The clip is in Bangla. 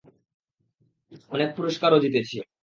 অনেক পুরস্কারও জিতেছি।